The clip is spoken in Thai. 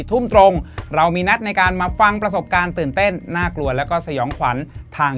ทุ่มตรงเรามีนัดในการมาฟังประสบการณ์ตื่นเต้นน่ากลัวแล้วก็สยองขวัญทาง